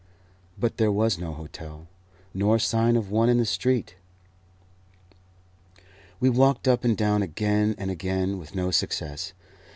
But there was no hotel, nor sign of one in the street. We walked up and down again and again, with no success.